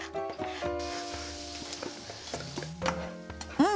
うん！